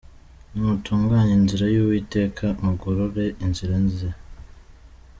Nimutunganye inzira y’Uwiteka, Mugorore inzira ze